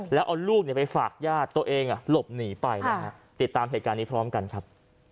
แล้วเอาลูกไปฝากญาติตัวเองหลบหนีไปนะฮะติดตามเหตุการณ์นี้พร้อมกันครับ